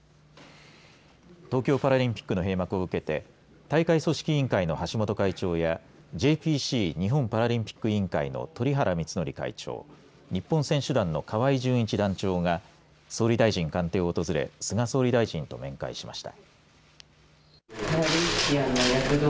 東京パラリンピックの閉幕を受けて大会組織委員会の橋本会長やＪＰＣ日本パラリンピック委員会の鳥原光憲会長日本選手団の河合純一団長が総理大臣官邸を訪れ菅総理大臣と面会しました。